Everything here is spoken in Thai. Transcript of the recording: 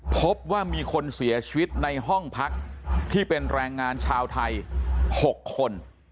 พบว่ามีคนเสียชีวิตในห้องพักที่เป็นแรงงานชาวไทย๖คน